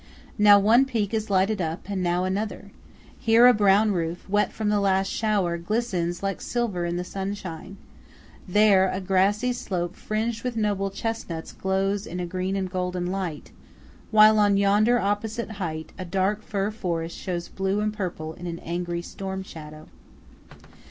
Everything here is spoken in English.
Now one peak is lighted up, and now another. Here a brown roof, wet from the last shower, glistens like silver in the sunshine; there a grassy slope fringed with noble chestnuts glows in a green and golden light; while on yonder opposite height, a dark fir forest shows blue and purple in angry storm shadow.